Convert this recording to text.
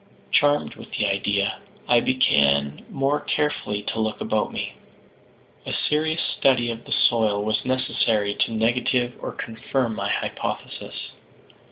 Charmed with the idea, I began more carefully to look about me. A serious study of the soil was necessary to negative or confirm my hypothesis.